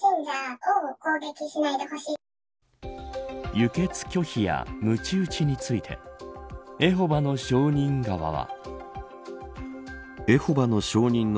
輸血拒否やむち打ちについてエホバの証人側は。